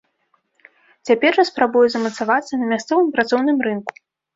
Цяпер жа спрабуе замацавацца на мясцовым працоўным рынку.